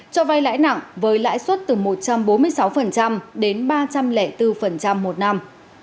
cho vay lãi nặng với lãi suất từ một trăm bốn mươi sáu đến ba trăm linh bốn một năm